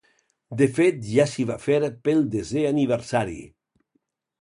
De fet ja s’hi va fer pel desè aniversari.